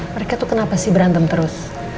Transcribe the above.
mereka tuh kenapa sih berantem terus